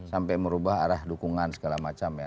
sampai merubah arah dukungan segala macam ya